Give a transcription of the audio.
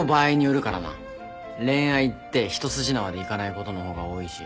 恋愛って一筋縄でいかないことの方が多いし。